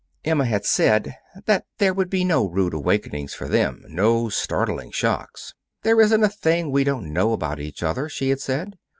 Emma had said that there would be no rude awakenings for them, no startling shocks. "There isn't a thing we don't know about each other," she had said.